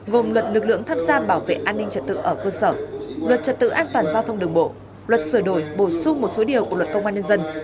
gồm luật lực lượng tham gia bảo vệ an ninh trật tự ở cơ sở luật trật tự an toàn giao thông đường bộ luật sửa đổi bổ sung một số điều của luật công an nhân dân